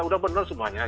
sudah benar semuanya